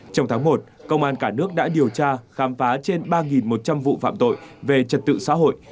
trong tháng một công an cả nước đã điều tra khám phá trên ba một trăm linh vụ phạm tội về trật tự xã hội